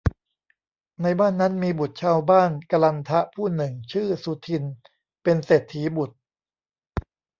ในบ้านนั้นมีบุตรชาวบ้านกลันทะผู้หนึ่ง ชื่อ สุทินน์ เป็นเศรษฐีบุตร